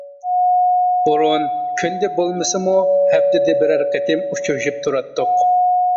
بۇرۇن كۈندە بولمىسىمۇ ھەپتىدە بىرەر قېتىم ئۇچرىشىپ تۇراتتۇق.